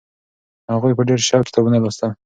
هغوی په ډېر سوق کتابونه لوستل.